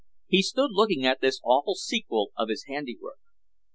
He stood looking at this awful sequel of his handiwork.